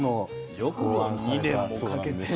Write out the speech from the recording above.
よくぞ２年もかけてね。